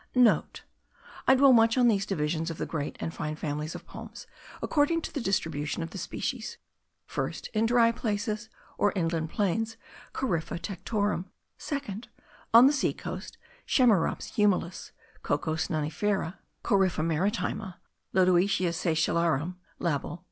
*(* I dwell much on these divisions of the great and fine families of palms according to the distribution of the species: first, in dry places, or inland plains, Corypha tectorum; second, on the sea coast, Chamaerops humilis, Cocos nucifera, Corypha maritima, Lodoicea seychellarum, Labill.